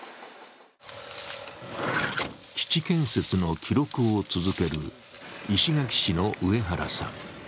基地建設の記録を続ける石垣市の上原さん。